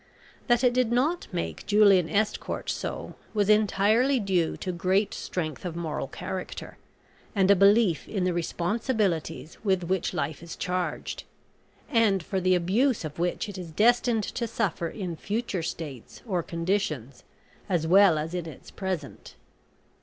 That it did not make Julian Estcourt so was entirely due to great strength of moral character, and a belief in the responsibilities with which life is charged, and for the abuse of which it is destined to suffer in future states or conditions, as well as in its present.